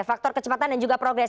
faktor kecepatan dan juga progres